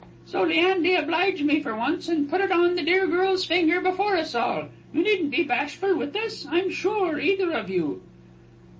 So, Leandy, oblige me for once, and put it on the dear girl's finger before us all; you needn't be bashful with us, I'm sure, either of you."